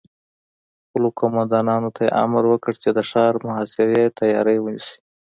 خپلو قوماندانانو ته يې امر وکړ چې د ښار د محاصرې تياری ونيسي.